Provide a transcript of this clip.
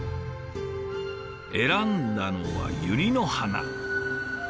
選んだのはユリの花。